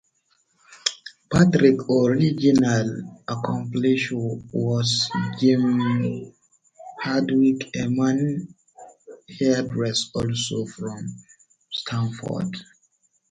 Patrick's original accompanist was Jim Hardwick, a men's hairdresser, also from Stafford.